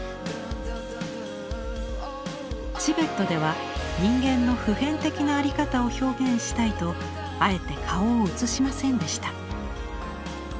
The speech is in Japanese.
チベットでは人間の普遍的な在り方を表現したいとあえて顔を写しませんでした。